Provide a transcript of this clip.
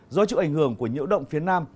do chịu ảnh hưởng của nhiễu động phía nam